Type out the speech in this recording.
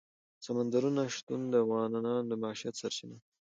سمندر نه شتون د افغانانو د معیشت سرچینه ده.